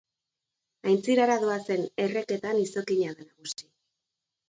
Aintzirara doazen erreketan izokina da nagusi.